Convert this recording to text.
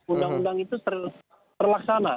undang undang itu terlaksana